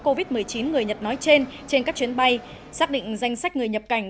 covid một mươi chín người nhật nói trên trên các chuyến bay xác định danh sách người nhập cảnh